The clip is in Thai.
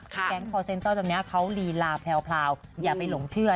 แก๊งคอร์เซ็นเตอร์ตอนนี้เขาลีลาแพรวอย่าไปหลงเชื่อ